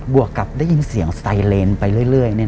วกกับได้ยินเสียงสไตเลนไปเรื่อย